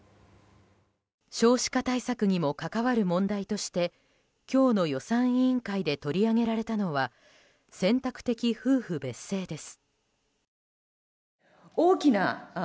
少子化対策にも関わる問題として今日の予算委員会で取り上げられたのは選択的夫婦別姓です。